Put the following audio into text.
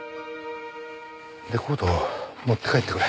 レコードは持って帰ってくれ。